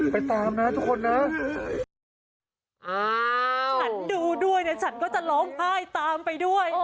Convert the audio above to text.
ไปตามนะทุกคนนะอ่าฉันดูด้วยเนี่ยฉันก็จะร้องไห้ตามไปด้วย